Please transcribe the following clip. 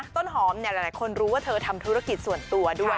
ต้นหอมหลายคนรู้ว่าเธอทำธุรกิจส่วนตัวด้วย